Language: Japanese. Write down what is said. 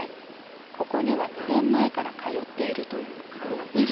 ここには２年前から通っているという。